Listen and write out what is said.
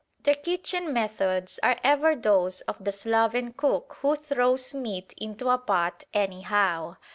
Their kitchen methods are ever those of the sloven cook who throws meat into a pot anyhow.